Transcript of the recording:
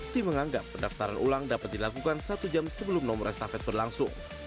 tim menganggap pendaftaran ulang dapat dilakukan satu jam sebelum nomor estafet berlangsung